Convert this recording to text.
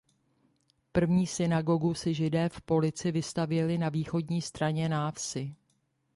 První synagogu si Židé v Polici vystavěli na východní straně návsi.